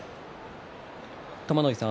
玉ノ井さん